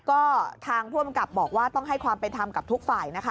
ก็ทางผู้อำกับบอกว่าต้องให้ความเป็นธรรมกับทุกฝ่ายนะคะ